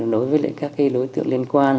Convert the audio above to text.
đối với các cái lối tượng liên quan